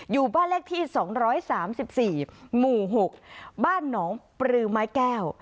อยู่บ้านเลขที่๒๓๔หมู่๖บ้านหนองปลือไม้แก้ว